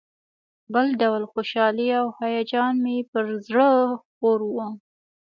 بل ډول خوشالي او هیجان مې پر زړه خپور و.